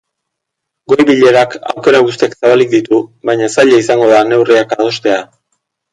Goi-bilerak aukera guztiak zabalik ditu, baina zaila izango da neurriak adostea.